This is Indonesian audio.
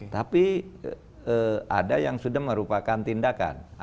tapi ada yang sudah merupakan tindakan